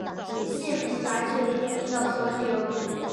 县名来自同名的河流。